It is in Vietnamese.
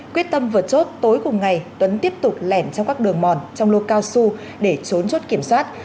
quyết tâm vượt chốt tối cùng ngày tuấn tiếp tục lẻn trong các đường mòn trong lô cao su để trốn chốt kiểm soát